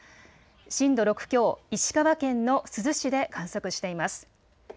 震度６強、石川県の珠洲市で観測しています。